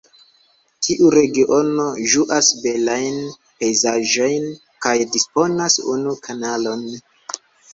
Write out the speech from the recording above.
Tiu regiono ĝuas belajn pejzaĝojn kaj disponas unu kanalon.